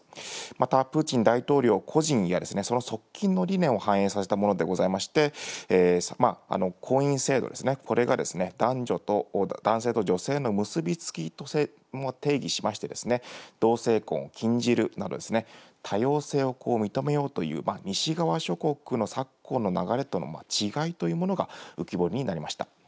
またプーチン大統領個人や、その側近の理念を反映させたものでございまして、婚姻制度ですね、これが男女と、男性と女性の結び付きと定義しまして、同性婚を禁じるなど、多様性を認めようという、西側諸国の昨今の流れとの違いというものが浮き彫りになりました。